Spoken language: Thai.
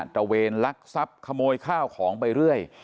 ระเวนลักทรัพย์ขโมยข้าวของไปเรื่อย